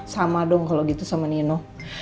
sama dong kalau gitu sama nino